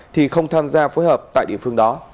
thì không tham gia phối hợp tại địa phương đó